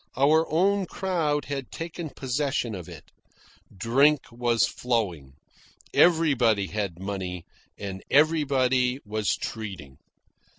Our own crowd had taken possession of it. Drink was flowing. Everybody had money, and everybody was treating.